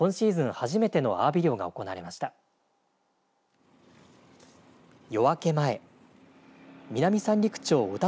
初めてのアワビ漁が行われました。